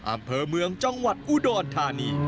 อ่ำเฟอร์เมืองจังหวัดอุดลทะนี